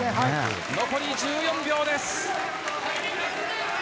残り１４秒です。